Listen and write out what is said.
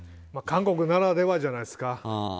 韓国ならではじゃないですか？